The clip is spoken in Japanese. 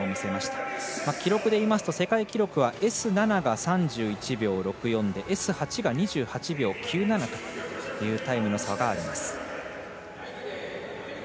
記録でいうと世界記録はＳ７が３７秒１４でＳ８が２８秒９７というタイムの差があります。